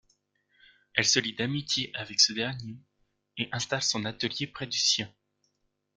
Elle se lie d'amitié avec ce dernier et installe son atelier près du sien.